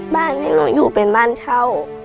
บ้านที่หนูอยู่เป็นบ้านเช่า